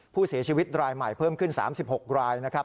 ผู้เสียชีวิตรายใหม่เพิ่มขึ้น๓๖รายนะครับ